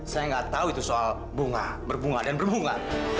saya nggak tahu itu soal bunga berbunga dan berbunga